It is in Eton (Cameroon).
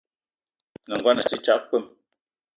N’nagono a te tsag kpwem.